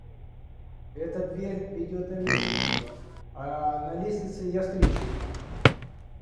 Эта дверь ведёт на лестницу, а на лестнице я встречу их.